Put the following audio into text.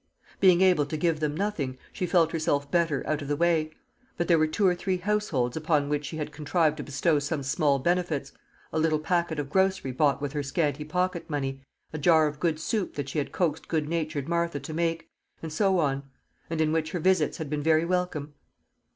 Being able to give them nothing, she felt herself better out of the way; but there were two or three households upon which she had contrived to bestow some small benefits a little packet of grocery bought with her scanty pocket money, a jar of good soup that she had coaxed good natured Martha to make, and so on and in which her visits had been very welcome.